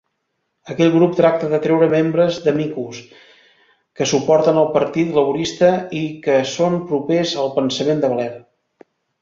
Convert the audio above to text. Aquell grup tracta d'atreure membres d'Amicus que suporten el partit Laborista i que són propers al pensament de Blair.